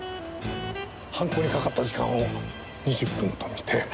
犯行にかかった時間を２０分と見て。